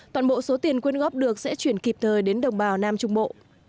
toàn bộ số tiền quyên góp được sẽ chuyển kịp thời đến đồng bào nam trung bộ